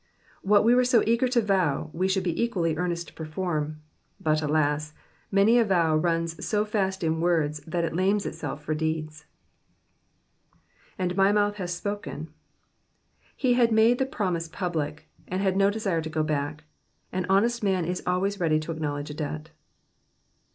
What we were so eager to vow, we should be equally earnest to perform ; but, alas 1 many a vow runs so fast in words that it lames itself for deeds. ^^Afid my mouth liath spoken,''^ He had made the promise public, and had no desire to go back ; an honest man is always ready to acknowledge a debt.